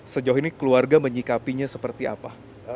sejauh ini keluarga menyikapinya seperti apa